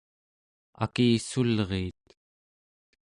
akissulriit